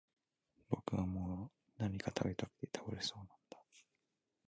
僕はもう何か喰べたくて倒れそうなんだ